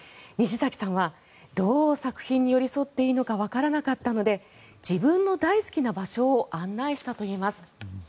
西崎さんはどう作品に寄り添っていいのかわからなかったので自分の大好きな場所を案内したといいます。